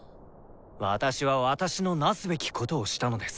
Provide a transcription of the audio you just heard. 私は私のなすべきことをしたのです。